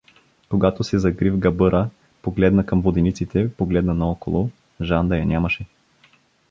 Когато се закри в габъра, погледна към водениците, погледна наоколо: Женда я нямаше.